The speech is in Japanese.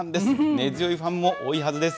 根強いファンも多いはずです。